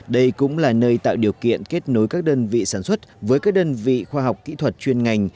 đây cũng là nơi tạo điều kiện kết nối các đơn vị sản xuất với các đơn vị khoa học kỹ thuật chuyên ngành